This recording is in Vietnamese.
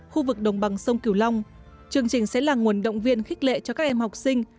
khu vực đồng bằng sông cửu long chương trình sẽ là nguồn động viên khích lệ cho các em học sinh